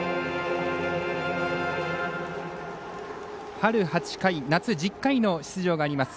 春８回、夏１０回の出場があります